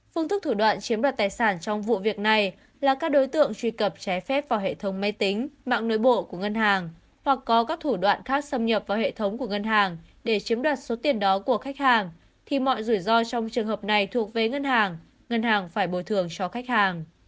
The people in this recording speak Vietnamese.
phương thức thủ đoạn chiếm đoạt tài sản trong vụ việc này là các đối tượng truy cập trái phép vào hệ thống máy tính mạng nội bộ của ngân hàng hoặc có các thủ đoạn khác xâm nhập vào hệ thống của ngân hàng để chiếm đoạt số tiền đó của khách hàng thì mọi rủi ro trong trường hợp này thuộc về ngân hàng ngân hàng phải bồi thường cho khách hàng